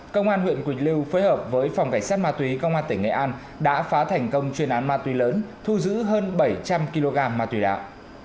công an huyện quỳnh lưu phối hợp với phòng cảnh sát ma túy công an tỉnh nghệ an đã phá thành công chuyên án ma túy lớn thu giữ hơn bảy trăm linh kg ma túy đạo